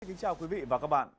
xin chào quý vị và các bạn